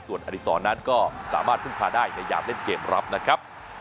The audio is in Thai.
ส่วนอดีศรนั้นก็สามารถพึ่งพาได้ในยามเล่นเกมรับนะครับ